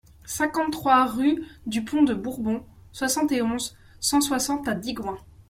cinquante-trois rue du Pont de Bourbon, soixante et onze, cent soixante à Digoin